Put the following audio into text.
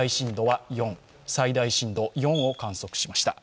最大震度４を観測しました。